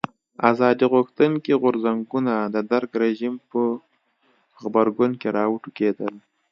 ازادي غوښتونکي غورځنګونه د درګ رژیم په غبرګون کې راوټوکېدل.